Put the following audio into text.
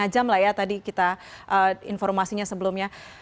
lima jam lah ya tadi kita informasinya sebelumnya